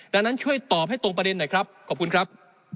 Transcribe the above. ดังนั้นช่วยตอบให้ตรงประเด็นหน่อยครับขอบคุณครับ